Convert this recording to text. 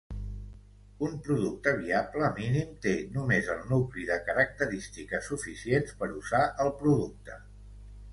Un producte viable mínim té només el nucli de característiques suficients per usar el producte.